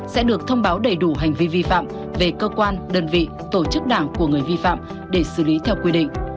sẽ được thông báo đầy đủ hành vi vi phạm về cơ quan đơn vị tổ chức đảng của người vi phạm để xử lý theo quy định